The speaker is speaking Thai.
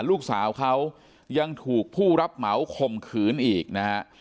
ลูกสาวเขายังถูกผู้รับเหมาข่มขืนอีกนะฮะ